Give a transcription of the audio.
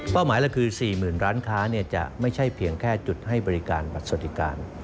หมายเราคือ๔๐๐๐ร้านค้าจะไม่ใช่เพียงแค่จุดให้บริการบัตรสวัสดิการ